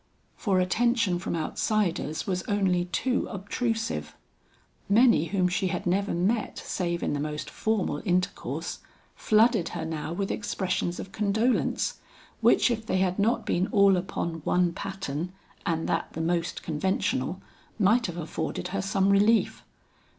For attention from outsiders was only too obtrusive. Many whom she had never met save in the most formal intercourse, flooded her now with expressions of condolence, which if they had not been all upon one pattern and that the most conventional, might have afforded her some relief.